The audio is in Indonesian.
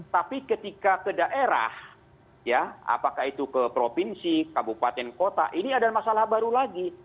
tapi ketika ke daerah ya apakah itu ke provinsi kabupaten kota ini ada masalah baru lagi